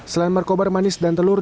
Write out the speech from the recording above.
selain markobar manis dan telur